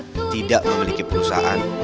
untuk membuat keputusan